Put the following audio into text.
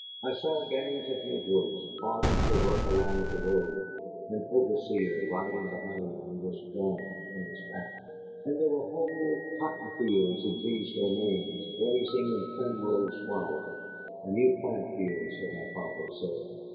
I saw gangs of negroes plodding to work along the road, an overseer riding behind them with his gun on his back; and there were whole cotton fields in these domains blazing in primrose flower, a new plant here, so my father said.